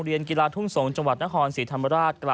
เวลาทุ่มสงฆ์จังหวัดนครสิทธรรมราช